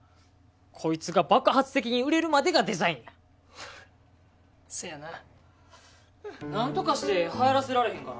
こいつが爆発的に売れるまでがデザインやハハッせやななんとかしてはやらせられへんかな？